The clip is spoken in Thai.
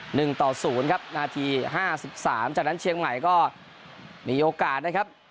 หนึ่งต่อศูนย์ครับนาทีห้าสิบสามจากนั้นเชียงใหม่ก็มีโอกาสนะครับ